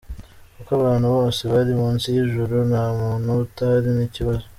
Kuko abantu bose bari munsi y’ijuru, nta muntu utahura n’ikibazo.